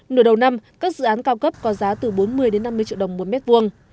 nửa đầu năm các dự án cao cấp có giá từ bốn mươi đến năm mươi triệu đồng một mét vuông